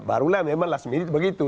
barulah memang last minute begitu